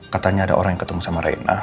katanya ada orang yang ketemu sama raina